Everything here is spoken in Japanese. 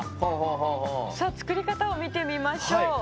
さあ作り方を見てみましょう。